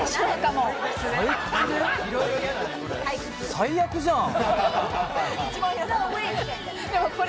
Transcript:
最悪じゃん！